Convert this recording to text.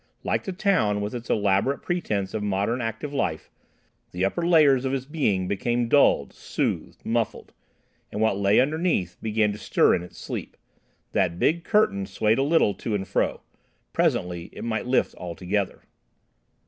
Like the town, with its elaborate pretence of modern active life, the upper layers of his being became dulled, soothed, muffled, and what lay underneath began to stir in its sleep. That big Curtain swayed a little to and fro. Presently it might lift altogether....